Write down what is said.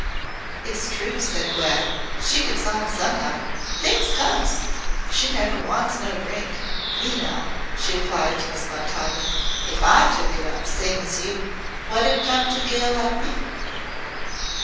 "It's true," said Glad; "she gets on somehow. Things comes. She never wants no drink. Me now," she applied to Miss Montaubyn, "if I took it up same as you wot'd come to a gal like me?"